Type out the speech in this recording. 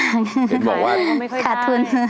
เห็นบอกว่าขาดทุน